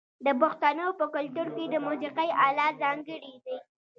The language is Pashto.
د پښتنو په کلتور کې د موسیقۍ الات ځانګړي دي.